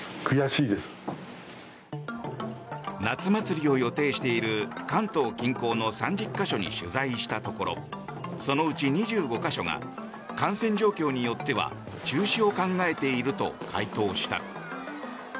夏祭りを予定している関東近郊の３０か所に取材したところそのうち２５か所が感染状況によっては中止を考えていると回答した。